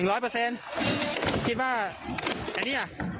แล้วคิดว่าลูกสอนได้ไหม